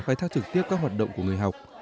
khai thác trực tiếp các hoạt động của người học